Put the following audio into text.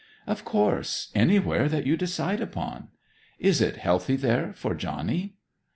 'Of course, anywhere that you decide upon. Is it healthy there for Johnny?'